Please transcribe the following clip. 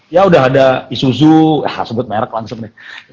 ya udah ada isuzu sebut merek langsung deh